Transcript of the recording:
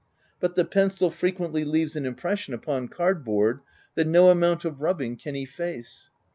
But the pencil frequently leaves an impression upon card board that no amount of rubbing can efface.